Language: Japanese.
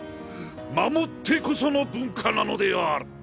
守ってこその文化なのである！